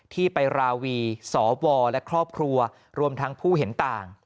ที่ไปราวีสวและครอบครัวรวมทั้งผู้เห็นต่าง